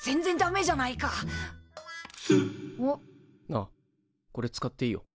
あっこれ使っていいよ。